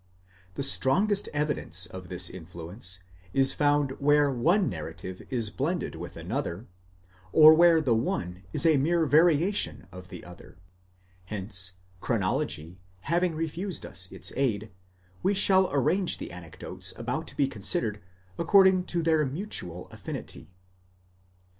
The strongest evidence of this influence is found where one narrative is blended with another, or where the one is a mere variation of the other: hence, chronology having refused us its aid, we shall arrange the anecdotes about to be considered according to their mutual affinity.